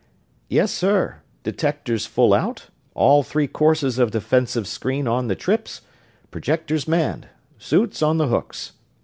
"Yes, sir. Detectors full out, all three courses of defensive screen on the trips, projectors manned, suits on the hooks.